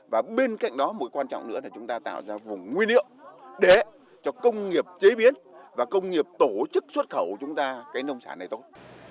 và bên cạnh đó một quan trọng nữa là chúng ta tạo ra vùng nguyên liệu để cho công nghiệp chế biến và công nghiệp tổ chức xuất khẩu của chúng ta cái nông sản này tốt